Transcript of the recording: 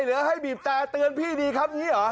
หรือให้บีบตาเตือนพี่ดีครับ